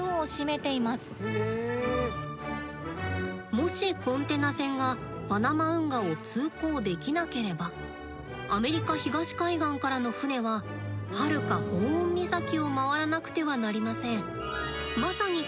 もしコンテナ船がパナマ運河を通行できなければアメリカ東海岸からの船ははるかホーン岬を回らなくてはなりません。